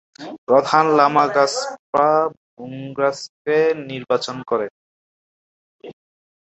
প্রধান লামা গ্রাগ্স-পা-'ব্যুং-গ্নাসকে নির্বাচন করেন।